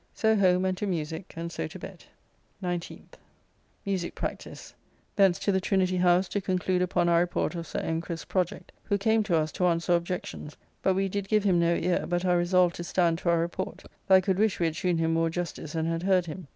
So home and to musique, and so to bed. 19th. Musique practice: thence to the Trinity House to conclude upon our report of Sir N. Crisp's project, who came to us to answer objections, but we did give him no ear, but are resolved to stand to our report; though I could wish we had shewn him more justice and had heard him.